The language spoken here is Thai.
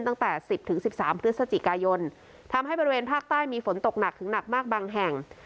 ตั้งแต่๑๐๑๓พฤศจิกายนทำให้บริเวณภาคใต้มีฝนตกหนักถึงหนักมากบางแห่ง